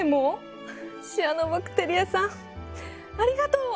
シアノバクテリアさんありがとう！